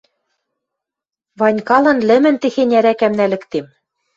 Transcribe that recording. Ванькалан лӹмӹн техень ӓрӓкӓм нӓлӹктем...